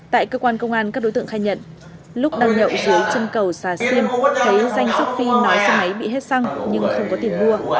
tại cơ quan công an các đối tượng khai nhận lúc đang nhậu dưới chân cầu xà xiêm thấy danh sóc phi nói xe máy bị hết xăng nhưng không có tiền mua